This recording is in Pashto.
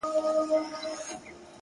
هر منزل خپل درس لري,